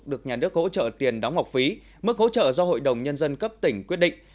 được nhà nước hỗ trợ tiền đóng học phí mức hỗ trợ do hội đồng nhân dân cấp tỉnh quyết định